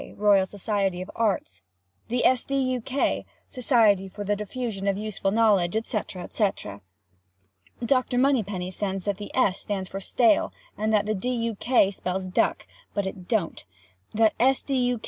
Royal Society of Arts—the S. D. U. K., Society for the Diffusion of Useful Knowledge, &c, &c. Dr. Moneypenny says that S. stands for stale, and that D. U. K. spells duck, (but it don't,) that S. D. U.